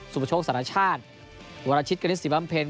สุพชกษัตริย์ชาติวรชิตกณิตสิบัมเพลย์